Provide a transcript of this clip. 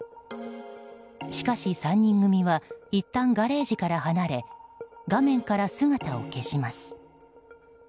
しかし、３人組はいったんガレージから離れ画面から姿を消します。